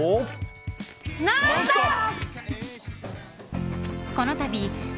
「ノンストップ！」。